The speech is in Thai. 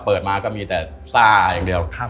เปิดมาก็มีแต่ซ่าอย่างเดียว